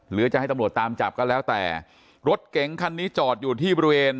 หรือจะให้ตำรวจตามจับก็แล้วแต่รถเก๋งคันนี้จอดอยู่ที่บริเวณ